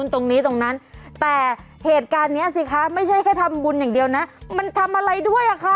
ตรงนี้ตรงนั้นแต่เหตุการณ์นี้สิคะไม่ใช่แค่ทำบุญอย่างเดียวนะมันทำอะไรด้วยอ่ะค่ะ